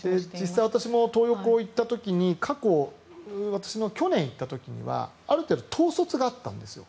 実際私もトー横に行った時に過去、私、去年行った時はある程度統率があったんですよ。